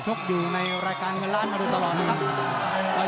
ชกอยู่ในรายการเงินล้านมาโดยตลอดนะครับ